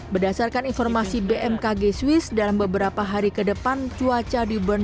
berdasarkan informasi bmkg swiss dalam beberapa hari ke depan cuaca di bern